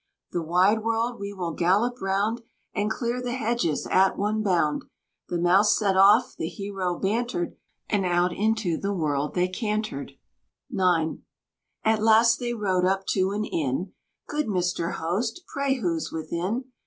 The wide world we will gallop round, And clear the hedges at one bound." The mouse set off, the hero bantered, And out into the world they cantered. IX. At last they rode up to an inn: "Good Mr. Host, pray who's within?"